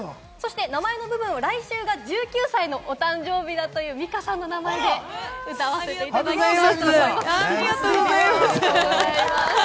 名前の部分を来週が１９歳のお誕生日だというミカさんの名前で歌わせていただきます。